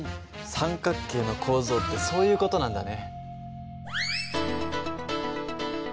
三角形の構造ってそういう事なんだね。